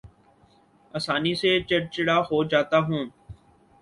آسانی سے چڑ چڑا ہو جاتا ہوں